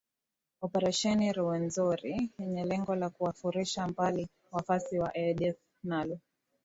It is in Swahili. operesheni ruwenzori yenye lengo la kuwafurusha mbali waasi wa adf nalu